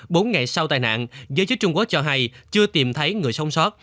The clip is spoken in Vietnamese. bốn ngày sau tai nạn giới chức trung quốc cho hay chưa tìm thấy người sống sót